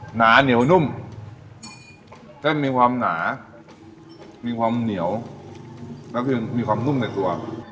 หนาเหนียวนุ่มเส้นมีความหนามีความเหนียวแล้วคือมีความนุ่มในตัว